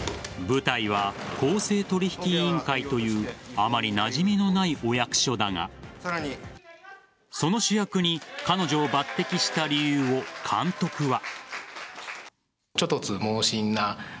舞台は公正取引委員会というあまりなじみのないお役所だがその主役に彼女を抜擢した理由を監督は。